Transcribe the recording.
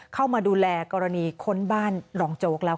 เข้ามาดูแลกรณีค้นบ้านรองโจ๊กแล้ว